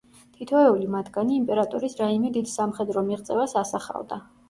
თითოეული მათგანი იმპერატორის რაიმე დიდ სამხედრო მიღწევას ასახავდა.